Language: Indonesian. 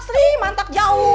sri mantak jauh